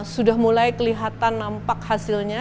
sudah mulai kelihatan nampak hasilnya